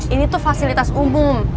ini tuh fasilitas umum